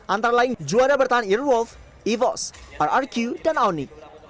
antara lain juara bertahan earwolf evos rrq dan aonik